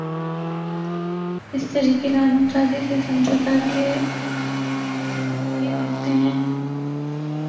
اس طریقِ قانون سازی سے سمجھوتاکیے رہتے ہیں